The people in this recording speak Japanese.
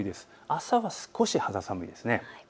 朝は少し肌寒いです。